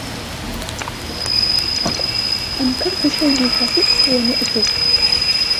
أنكرت شيبي فصدت ونأت